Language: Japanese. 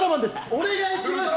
お願いします！